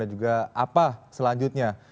dan juga apa selanjutnya